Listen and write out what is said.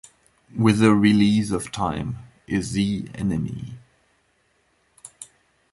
With the release of Time Is Thee Enemy!